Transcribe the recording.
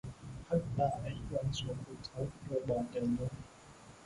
Hất bà ấy văng xuống vực sâu rồi bỏ chạy luôn